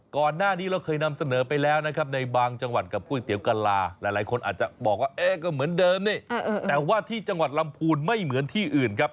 ก่อนหน้านี้เราเคยนำเสนอไปแล้วนะครับในบางจังหวัดกับก๋วยเตี๋ยวกะลาหลายคนอาจจะบอกว่าเอ๊ะก็เหมือนเดิมนี่แต่ว่าที่จังหวัดลำพูนไม่เหมือนที่อื่นครับ